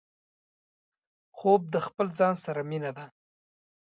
خوب د خپل ځان سره مينه ده